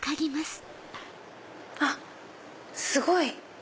あっすごい！